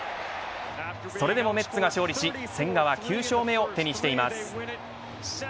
それでもメッツが勝利し千賀は９勝目を手にしています。